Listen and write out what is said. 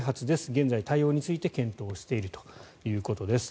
現在、対応について検討しているということです。